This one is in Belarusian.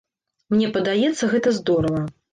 Мне падаецца, гэта здорава.